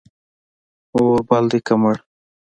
اور بل دی که مړ